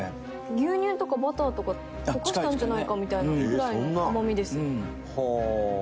牛乳とかバターとか溶かしたんじゃないかみたいな。ぐらいの甘みです。